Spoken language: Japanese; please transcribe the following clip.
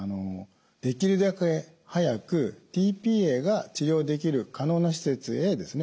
できるだけ早くｔ−ＰＡが治療できる可能な施設へですね